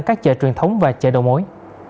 các chợ truyền thống và chợ đầu mối